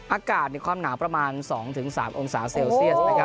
อากาศความหนาวประมาณ๒๓องศาเซลเซียส